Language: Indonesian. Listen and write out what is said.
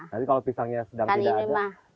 nanti kalau pisangnya sedang tidak ada